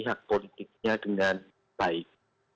hak politiknya dengan baik